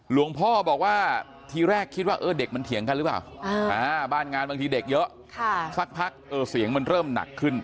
หลวงพ่อบอกว่าทีแรกคิดว่าเด็กมันเถียงกันหรือเปล่าบ้านงานบางทีเด็กเยอะสักพักเสียงมันเริ่มหนักขึ้น